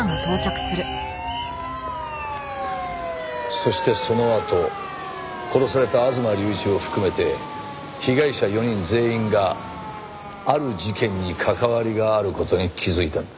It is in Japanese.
そしてそのあと殺された吾妻隆一を含めて被害者４人全員がある事件に関わりがある事に気づいたんだ。